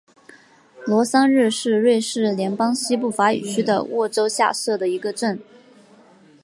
罗桑日是瑞士联邦西部法语区的沃州下设的一个镇。